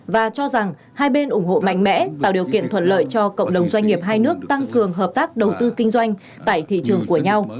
và cho rằng hai bên ủng hộ mạnh mẽ tạo điều kiện thuận lợi cho cộng đồng doanh nghiệp hai nước tăng cường hợp tác đầu tư kinh doanh tại thị trường của nhau